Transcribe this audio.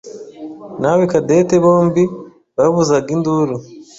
nawe Cadette bombi bavuzaga induru.